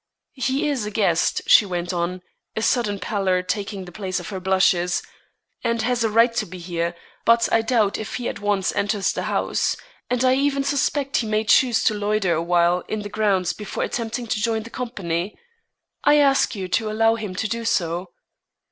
He is a guest," she went on, a sudden pallor taking the place of her blushes, "and has a right to be here; but I doubt if he at once enters the house, and I even suspect he may choose to loiter awhile in the grounds before attempting to join the company. I ask you to allow him to do so."